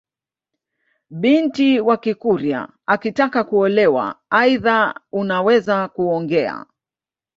Binti wa kikurya akitaka kuolewa aidha unaweza kuongea